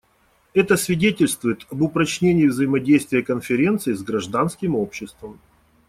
Это свидетельствует об упрочении взаимодействия Конференции с гражданским обществом.